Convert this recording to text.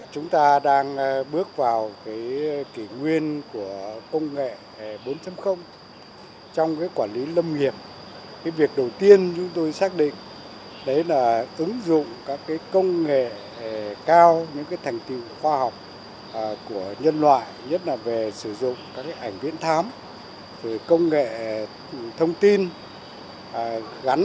chúng ta đang bước vào kỷ nguyên của công nghệ bốn trong quản lý lâm nghiệp